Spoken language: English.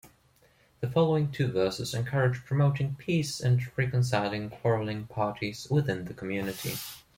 The following two verses encourage promoting peace and reconciling quarreling parties within the community.